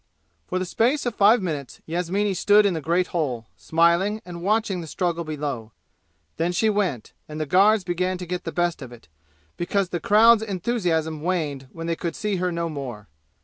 For the space of five minutes Yasmini stood in the great hole, smiling and watching the struggle below. Then she went, and the guards began to get the best of it, because the crowd's enthusiasm waned when they could see her no more.